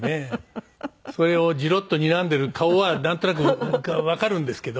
それをジロッと睨んでいる顔はなんとなくわかるんですけど